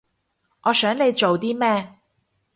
我想你做啲咩